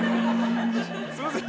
すいません。